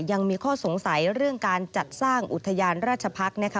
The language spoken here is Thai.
ยังมีข้อสงสัยเรื่องการจัดสร้างอุทยานราชพักษ์นะคะ